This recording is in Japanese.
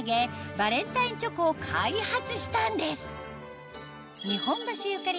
バレンタインチョコを開発したんです日本橋ゆかり